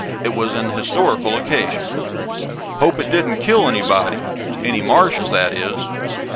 It was an historical occasion. "Hope it didn't kill anybody. Any Martians, that is.